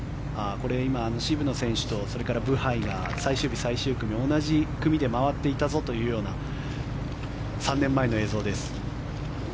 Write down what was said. これ、今、渋野選手とブハイが最終日、最終組同じ組で回っていたぞというような３年前の映像です。